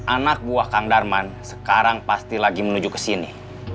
anak buah kang darman sekarang pasti lagi menuju kesini